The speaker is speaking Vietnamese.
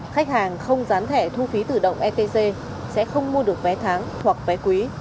khách hàng không gián thẻ thu phí tự động etc sẽ không mua được vé tháng hoặc vé quý